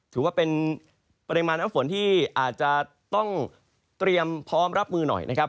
ถือว่าเป็นปริมาณน้ำฝนที่อาจจะต้องเตรียมพร้อมรับมือหน่อยนะครับ